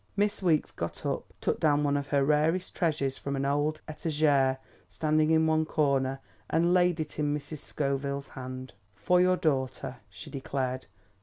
Miss Weeks got up, took down one of her rarest treasures from an old etagere standing in one corner and laid it in Mrs. Scoville's hand. "For your daughter," she declared.